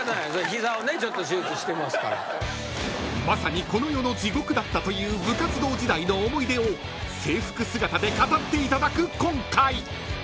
［まさにこの世の地獄だったという部活動時代の思い出を制服姿で語っていただく今回］